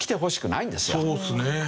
そうですね。